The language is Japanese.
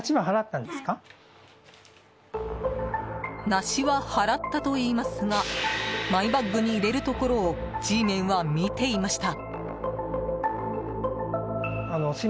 梨は払ったと言いますがマイバッグに入れるところをＧメンは見ていました。